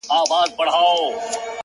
• زه د شرابيانو قلندر تر ملا تړلى يم ـ